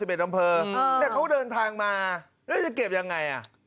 ๑อำเภอเนี่ยเขาเดินทางมาแล้วจะเก็บยังไงอ่ะ